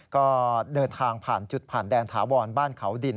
ก็เดินทางผ่านจุดผ่านแดนถาวรบ้านเขาดิน